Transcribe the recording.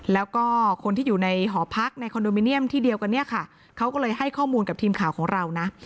แล้วก็คนที่อยู่ในหอพักในคอนโดมิเนียมที่เดียวกันเนี่ยค่ะเขาก็เลยให้ข้อมูลกับทีมข่าวของเรานะ